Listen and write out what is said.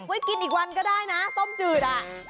เก็บไว้กินอีกวันก็ได้นะส้มจืด